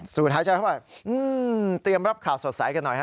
สู่ท้ายจะเข้ามาเตรียมรับข่าวสดใสกันหน่อย